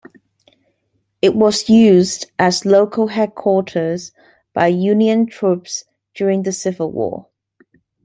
It was used as local headquarters by Union troops during the Civil War.